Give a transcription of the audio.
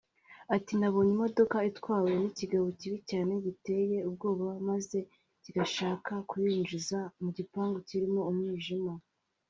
Ati “Nabonye imodoka itwawe n’ikigabo kibi cyane giteye ubwoba maze kigashaka kuyinjiza mu gipangu kirimo umwijima